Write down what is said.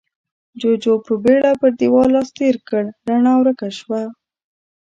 جُوجُو په بيړه پر دېوال لاس تېر کړ، رڼا ورکه شوه.